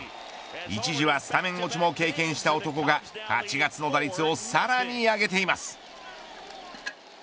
一時はスタメン落ちも経験した男が８月の打率をさらに上げています。